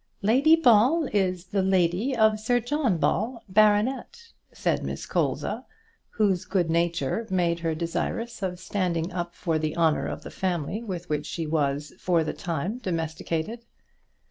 "Lady Ball is the lady of Sir John Ball, Baronet," said Miss Colza, whose good nature made her desirous of standing up for the honour of the family with which she was, for the time, domesticated.